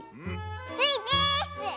スイです！